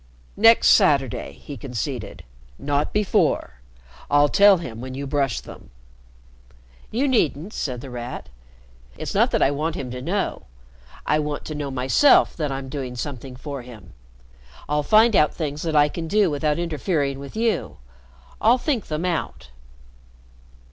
"Next Saturday," he conceded. "Not before. I'll tell him when you brush them." "You needn't," said The Rat. "It's not that I want him to know. I want to know myself that I'm doing something for him. I'll find out things that I can do without interfering with you. I'll think them out."